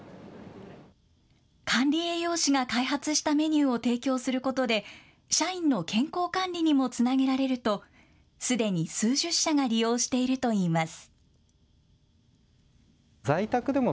管理栄養士が開発したメニューを提供することで社員の健康管理にもつなげられるとすでに数十社が利用しているといいます。